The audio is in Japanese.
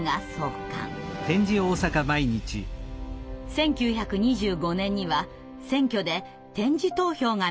１９２５年には選挙で点字投票が認められます。